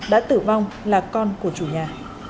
đã tử vong là con của chủ nhà